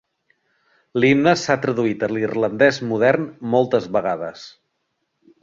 L'himne s'ha traduït a l'irlandès modern moltes vegades.